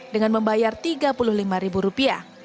dengan membayar tiga puluh lima ribu rupiah